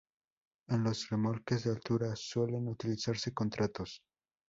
En los remolques de altura, suelen utilizarse contratos.